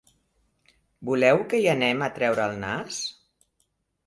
Voleu que hi anem a treure el nas?